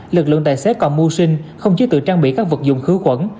lực lượng tài xế còn mua sinh không chỉ tự trang bị các vật dụng khứa quẩn